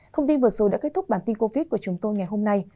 thông tin vừa rồi đã kết thúc bản tin covid của chúng tôi ngày hôm nay